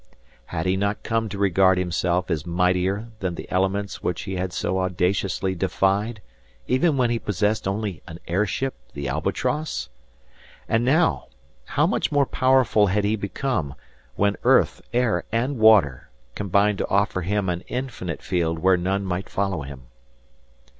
Had he not come to regard himself as mightier than the elements which he had so audaciously defied even when he possessed only an airship, the "Albatross?" And now, how much more powerful had he become, when earth, air and water combined to offer him an infinite field where none might follow him!